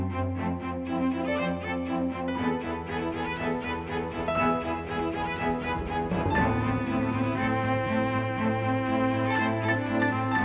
ทุกคนพร้อมแล้วขอเสียงปลุ่มมือต้อนรับ๑๒สาวงามในชุดราตรีได้เลยค่ะ